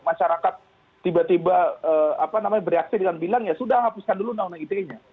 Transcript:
masyarakat tiba tiba bereaksi dengan bilang ya sudah hapuskan dulu undang undang ite nya